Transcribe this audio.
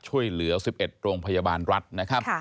ช่วยเหลือ๑๑โรงพยาบาลรัฐนะครับ